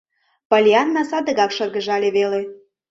Поллианна садыгак шыргыжале веле: